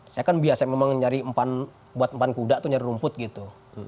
saya kan biasa memang nyari buat empan kuda tuh nyari rumput gitu